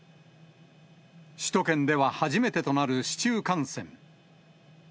首都圏では初めてとなる市中感染。